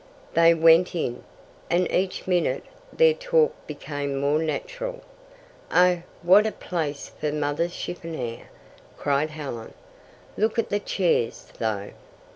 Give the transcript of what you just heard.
They went in, and each minute their talk became more natural. "Oh, WHAT a place for mother's chiffonier!" cried Helen. "Look at the chairs, though."